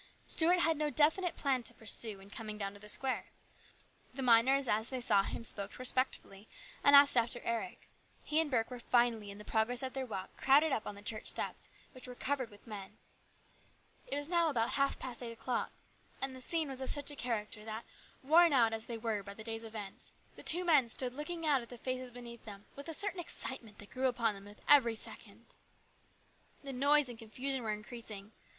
Stuart had no definite plan to pursue in coming down to the square. The miners as they saw him spoke respectfully, and asked after Eric. He and Burke were finally, in the progress of their walk, crowded up on the church steps, which were covered with men. It was now about half past eight o'clock, and the scene was of such a character that, worn as they were by the day's events, the two men stood looking out at the faces beneath them with a certain excitement that grew upon them with every second. The noise and confusion were increasing.